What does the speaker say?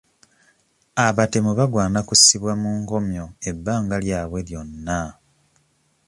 Abatemu bagwana kussibwa mu nkomyo ebbanga lyabwe lyonna.